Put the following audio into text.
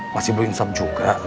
masih belum insap juga